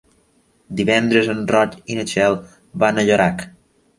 Divendres en Roc i na Txell van a Llorac.